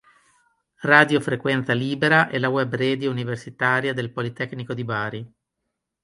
Radio Frequenza Libera è la web radio universitaria del Politecnico di Bari.